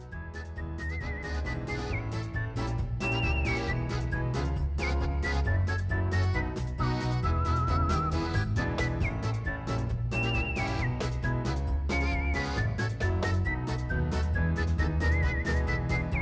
โปรดติดตามตอนต่อไป